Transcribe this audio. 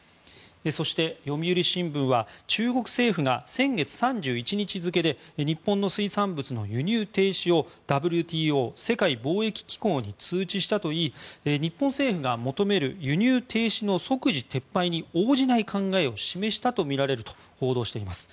そして、読売新聞は中国政府が先月３１日付で日本の水産物の輸入停止をＷＴＯ・世界貿易機構に通知したといい日本政府が求める輸入停止の即時撤廃に応じない考えを示したとみられると報道しています。